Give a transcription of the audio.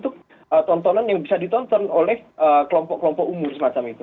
kelompok kelompok umur semacam itu